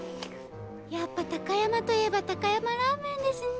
やっぱ高山といえば高山ラーメンですね。